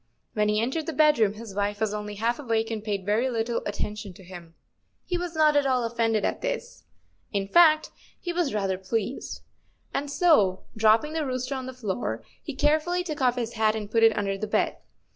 When he entered the bed room his wife was only half awake and paid very little attention to him. He was not at all offended at this—in fact, he was rather pleased—and so, dropping the rooster on the floor, he carefully took off his hat and put it under the bed.